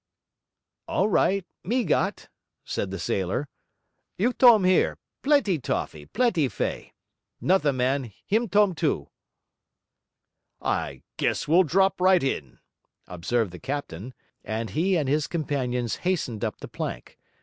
'All right. Me got,' said the sailor; 'you tome here. Plenty toffee, plenty fei. Nutha man him tome too.' 'I guess we'll drop right in,' observed the captain; and he and his companions hastened up the plank.